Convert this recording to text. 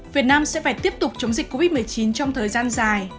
việt nam sẽ phải tiếp tục chống dịch covid một mươi chín trong thời gian dài